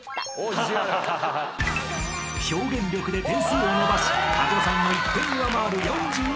［表現力で点数を伸ばし加護さんを１点上回る４５点］